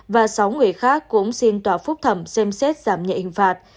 và sáu người khác cũng xin tòa phúc thẩm xem xét giảm nhẹ hình phạt